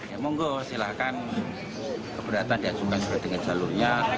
ya monggo silahkan keberatan yang sudah seperti dengan jalurnya